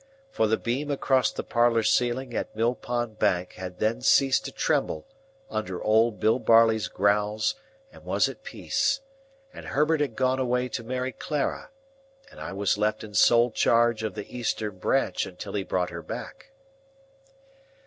For the beam across the parlour ceiling at Mill Pond Bank had then ceased to tremble under old Bill Barley's growls and was at peace, and Herbert had gone away to marry Clara, and I was left in sole charge of the Eastern Branch until he brought her back.